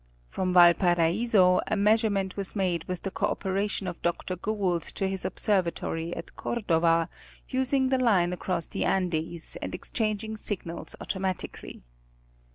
From Val paraiso, a measurement was made with the codperation of Dr. Gould to his observatory at Cordova, using the line across the Andes, and exchanging signals automatically.